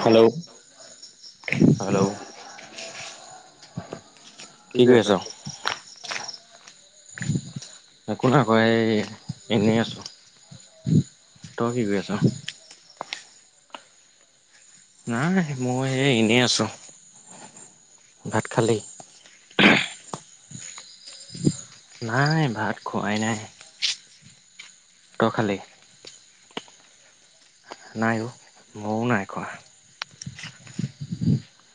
Hello hello কি কৰি আছ একো নাই কআ এনেই আছো ত নাই নাই মই এই এনেই আছো ভাত খালি? নাই, ভাত খোৱাই নাই। তই খালি? নাই অ' ময়ো নাই খোৱা।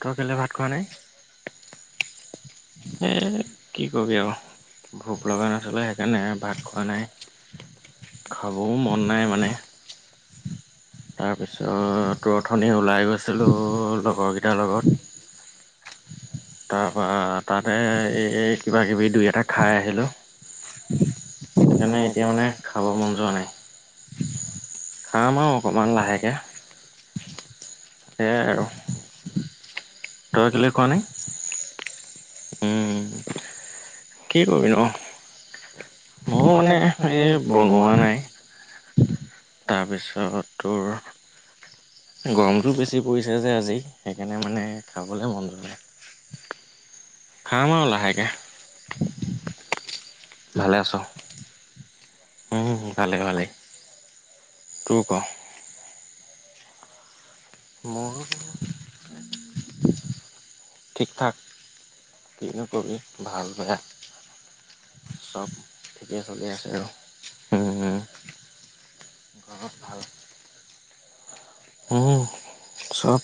তই কেলে ভাত খোৱা নাই? এ কি কবি আও, ভোক লগা নাছিলে সেইকাৰণে ভাত খোৱা নাই। খাবও মন নাই মানে তাৰপিছত তোৰ অথনি ওলাই গৈছিলো লগৰ কেইটাৰ লগত। [unintelligible] তাৰ পা, তাতে এই কিবা কিবি দুই-এটা খাই আহিলো [unintelligible] সেইকাণে এতিয়া মানে খাব মন যোৱা নাই। খাম আও অকণমান লাহেকৈ, সেয়াই আৰু তই কেলে খোৱা নাই? উম কি ক'বিনো আও মোৰ মানে এ বনোৱা নাই তাৰপিছত তোৰ গৰমটো বেছি পৰিছে যে আজি, সেইকাৰণে মানে খাবলৈ মন যোৱা নাই। খাম আৰু লাহেকে ভালে আছ'? উম ভালেই ভালেই, তোৰ ক'। মোৰো ঠিক ঠাক, কিনো কবি ভাল বেয়া। চব ঠিকে চলি আছে আৰু। হম হম হম চব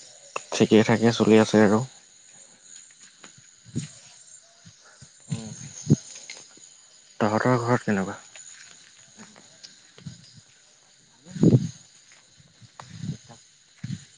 ঠিকেই থাকে চলি আছে আৰু ঘৰত কেনেকুৱা?